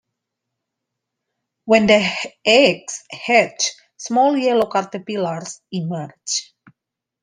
When the eggs hatch, small yellow caterpillars emerge.